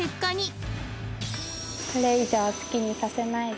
これ以上好きにさせないで。